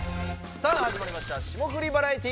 さあ始まりました『霜降りバラエティ』。